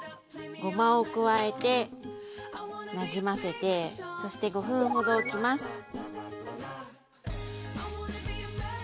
ごまを加えてなじませてそして５分ほどおきます。